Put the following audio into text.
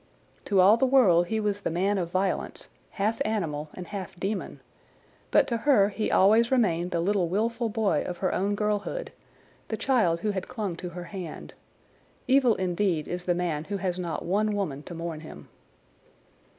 To all the world he was the man of violence, half animal and half demon; but to her he always remained the little wilful boy of her own girlhood, the child who had clung to her hand. Evil indeed is the man who has not one woman to mourn him.